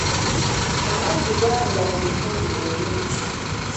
Amazzi ga bbula mu bitundu ebimu.